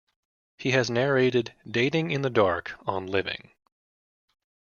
He has narrated "Dating in the Dark" on Living.